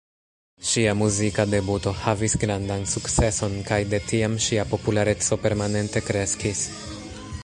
Ŝia muzika debuto havis grandan sukceson kaj de tiam ŝia populareco permanente kreskis.